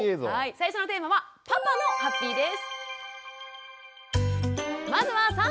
最初のテーマはパパのハッピーです。